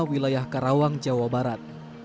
wilayah karawang jawa barat